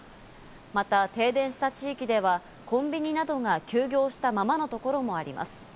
また停電した地域では、コンビニなどが休業したままのところもあります。